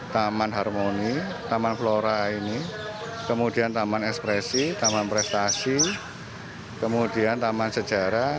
taman harmoni taman flora ini kemudian taman ekspresi taman prestasi kemudian taman sejarah